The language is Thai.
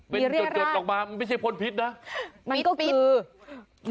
มีเรี้ยร่างมันเป็นจดเติดออกมาไม่ใช่ภ้นพิษนะ